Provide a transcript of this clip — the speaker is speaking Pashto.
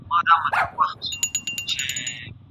هغه پرون په مځکي کي تخم وپاشلی.